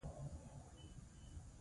کونه کونه مه کېږه، تېز ځه!